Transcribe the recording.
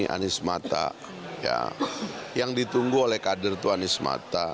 anies smata yang ditunggu oleh kader itu anies smata